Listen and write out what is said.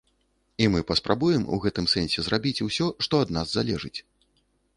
І мы паспрабуем у гэтым сэнсе зрабіць усё, што ад нас залежыць.